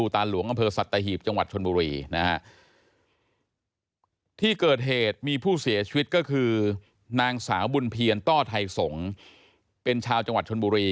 ที่เกิดเหตุมีผู้เสียชีวิตก็คือนางสาวบุญเพียรต้อไทยสงฆ์เป็นชาวจังหวัดชนบุรี